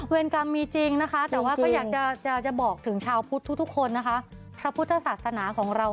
เวรกรรมมีจริงนะคะแต่ว่าก็อยากจะบอกถึงชาวพุทธทุกคนนะคะ